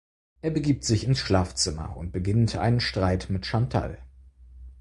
Er begibt sich ins Schlafzimmer und beginnt einen Streit mit Chantal.